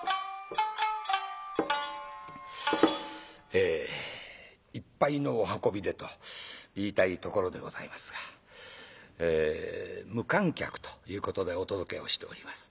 えいっぱいのお運びでと言いたいところでございますが無観客ということでお届けをしております。